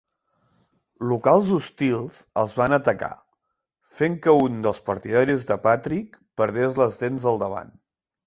Locals hostils els van atacar, fent que un dels partidaris de Patrick perdés les dents del davant.